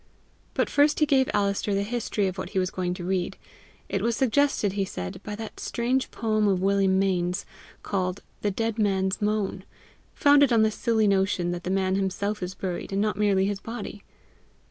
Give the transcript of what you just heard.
But first he gave Alister the history of what he was going to read. It was suggested, he said, by that strange poem of William Mayne's, called "The Dead Man's Moan," founded on the silly notion that the man himself is buried, and not merely his body.